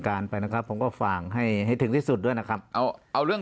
การไปนะครับผมก็ฝากให้ให้ถึงที่สุดด้วยนะครับเอาเอาเรื่อง